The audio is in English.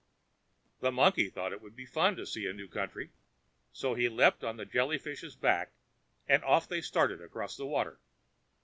The monkey thought it would be fun to see a new country. So he leaped on to the Jelly fish's back, and off they started across the water.